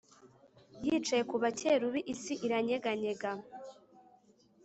yicaye ku bakerubi isi iranyeganyega.